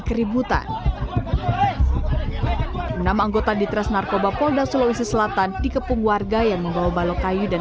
keributan enam anggota ditres narkoba polda sulawesi selatan dikepung warga yang membawa balok kayu dan